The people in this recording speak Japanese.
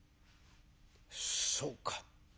「そうか。